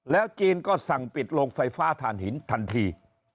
จีนก็สั่งปิดโรงไฟฟ้าฐานหินทันที